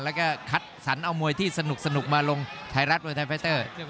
แล้วก็คัดสรรเอามวยที่สนุกมาลงไทยรัฐมวยไทยไฟเตอร์